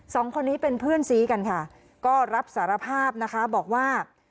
สองคนนี้เป็นเพื่อนซี้กันค่ะก็รับสารภาพนะคะบอกว่า